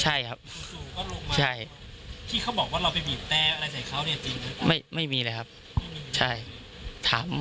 ใช่ครับสูงสูงก็ลุกมากใช่ที่เขาบอกว่าเราไปบีบแต่อะไรใส่เขาเนี้ยจริงหรือ